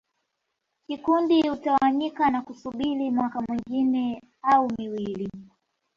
Kikundi hutawanyika na kusubiri mwaka mwingine au miwili